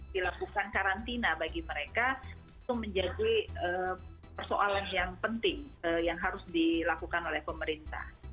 dilakukan karantina bagi mereka itu menjadi persoalan yang penting yang harus dilakukan oleh pemerintah